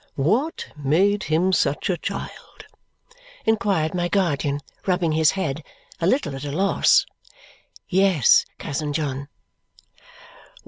"What made him such a child?" inquired my guardian, rubbing his head, a little at a loss. "Yes, cousin John."